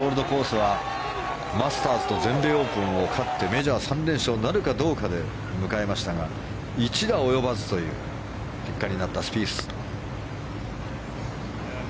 前回、セントアンドリュースオールドコースはマスターズと全米オープンを勝ってメジャー３連勝なるかどうかで迎えましたが１打及ばずという結果になったスピース。